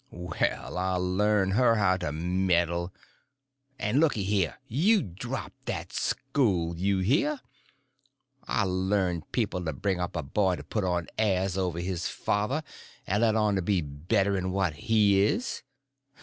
"Well, I'll learn her how to meddle. And looky here—you drop that school, you hear? I'll learn people to bring up a boy to put on airs over his own father and let on to be better'n what he is.